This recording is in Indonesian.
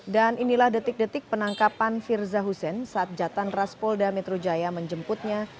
dan inilah detik detik penangkapan firza hussein saat jatan raspolda metro jaya menjemputnya